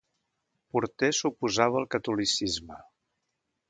Porter s'oposava al catolicisme.